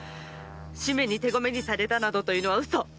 主馬に手籠めにされたなどというのは嘘！